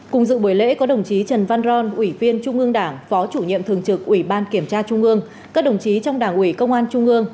cùng dự buổi lễ có đồng chí trần văn ron ủy viên trung ương đảng phó chủ nhiệm thường trực ủy ban kiểm tra trung ương các đồng chí trong đảng ủy công an trung ương